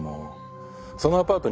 そのアパート